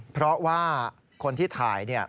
เพราะว่าคนที่ถ่ายเนี่ย